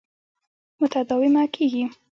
متداومه کېږي.